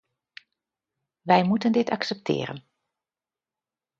Wij moeten dit accepteren.